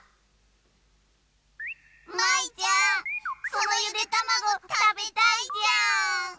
そのゆでたまごたべたいじゃー。